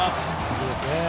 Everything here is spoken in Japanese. いいですね。